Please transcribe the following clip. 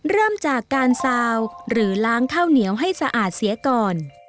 เริ่มจากการซาวหรือล้างข้าวเหนียวให้สะอาดเสียก่อน